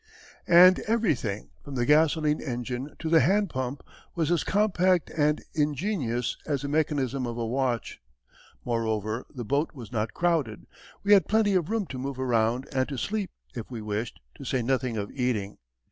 And everything from the gasoline engine to the hand pump was as compact and ingenious as the mechanism of a watch. Moreover, the boat was not crowded; we had plenty of room to move around and to sleep, if we wished, to say nothing of eating.